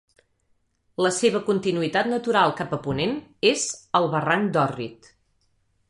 La seva continuïtat natural cap a ponent és el barranc d'Orrit.